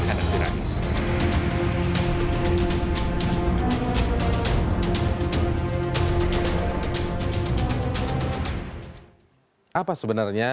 pertanyaan terakhir apa sebenarnya pengadilan pks yang diadakan